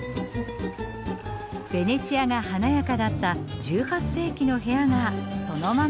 ベネチアが華やかだった１８世紀の部屋がそのまま残っています。